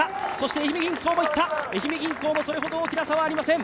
愛媛銀行も行った、それほど大きな差はありません。